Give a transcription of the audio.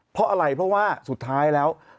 เพราะอันว่าสุดท้ายแล้ว